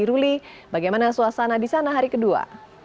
ruli bagaimana suasana di sana hari kedua